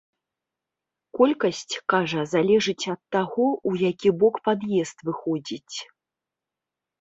Колькасць, кажа, залежыць ад таго, у які бок пад'езд выходзіць.